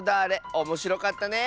おもしろかったね！